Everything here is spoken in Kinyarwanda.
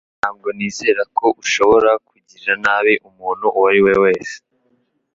Ntabwo nizera ko ushobora kugirira nabi umuntu uwo ari we wese